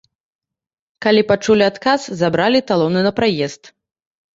Калі пачулі адказ, забралі талоны на праезд.